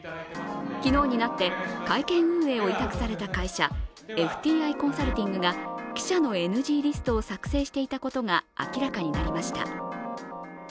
昨日になって、会見運営を委託された会社、ＦＴＩコンサルティングが記者のＮＧリストを作成していたことが明らかになりました。